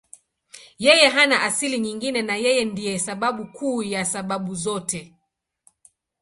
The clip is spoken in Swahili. Yeye hana asili nyingine na Yeye ndiye sababu kuu ya sababu zote.